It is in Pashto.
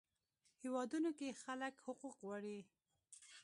هیوادونو کې خلک حقوق غواړي.